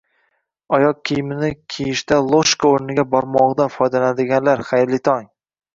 Oyoq kiyimini kiyishda "ложка" o'rniga barmog'idan foydalanadiganlar, xayrli tong!